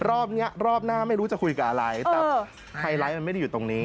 รอบเนี้ยรอบหน้าไม่รู้จะคุยกับอะไรแต่ไฮไลท์มันไม่ได้อยู่ตรงนี้